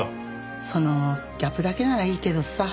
そのギャップだけならいいけどさ。